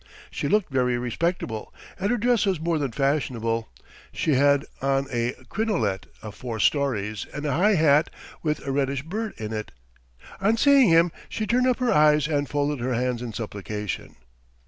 She looked very respectable, and her dress was more than fashionable (she had on a crinolette of four storeys and a high hat with a reddish bird in it). On seeing him she turned up her eyes and folded her hands in supplication.